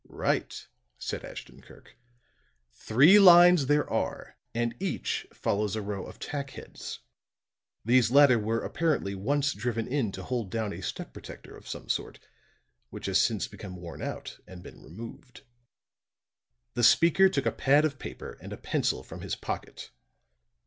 "Right," said Ashton Kirk. "Three lines there are, and each follows a row of tack heads. These latter were, apparently, once driven in to hold down a step protector of some sort which has since become worn out and been removed." The speaker took a pad of paper and a pencil from his pocket.